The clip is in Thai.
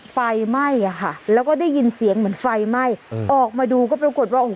ไฟไหม้อ่ะค่ะแล้วก็ได้ยินเสียงเหมือนไฟไหม้ออกมาดูก็ปรากฏว่าโอ้โห